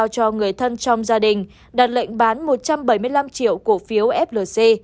ông đã xét giao cho người thân trong gia đình đặt lệnh bán một trăm bảy mươi năm triệu cổ phiếu flc